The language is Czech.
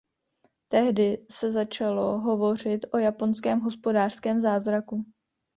Tehdy se začalo hovořit o japonském hospodářském zázraku.